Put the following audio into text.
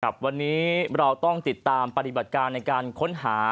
วันนี้เราต้องติดตามปฏิบัติการในการค้นหา